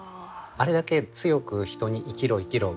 あれだけ強く人に生きろ生きろ